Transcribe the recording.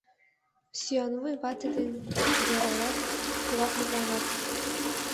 Сӱанвуй вате ден Вераят тыгак мутланат.